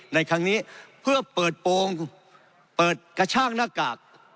ในครั้งนี้เพื่อเปิดโปรงเปิดกระชากหน้ากาก